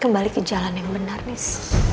kembali ke jalan yang benar nih